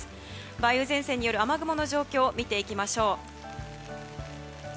梅雨前線による雨雲の状況を見ていきましょう。